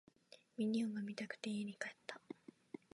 ミニオンが見たくて家に帰った